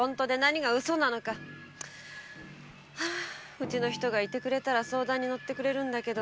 うちの人が居れば相談にのってくれるんだけど。